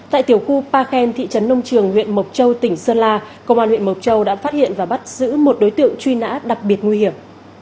tại tiểu khu pa khen thị trấn nông trường huyện mộc châu tỉnh sơn la công an huyện mộc châu đã phát hiện và bắt giữ một đối tượng truy nã đặc biệt nguy hiểm